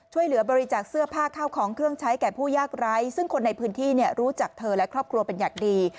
ช่วยเหลือบริจาคเสื้อผ้าข้าวของเครื่องใช้แก่ผู้ยากไร้ซึ่งคนในพื้นที่รู้จักเธอและครอบครัวเป็นอย่างดี